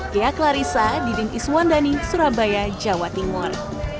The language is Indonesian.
kia klarissa di dinkiswandani surabaya jawa timur